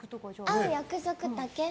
会う約束だけ。